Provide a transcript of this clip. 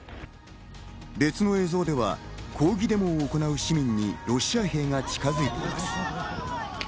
別の映像では抗議デモを行う市民にロシア兵が近づいています。